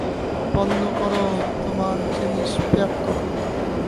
বন্ধ করো তোমার জিনিস প্যাক করা।